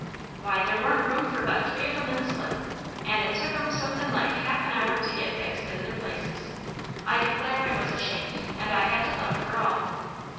Why, there warn't room for but three of 'em in the slip, and it took 'em somethin' like half an hour to get fixed in their places. I declare I was ashamed, and I had to look, for all."